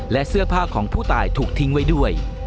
และเสื้อผ้าของผู้ตายถูกทิ้งไว้ด้วย